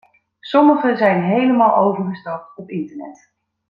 Sommigen zijn helemaal overgestapt op internet.